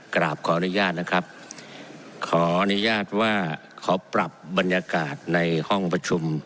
กราบขออนุญาตนะครับขออนุญาตว่าขอปรับบรรยากาศในห้องประชุม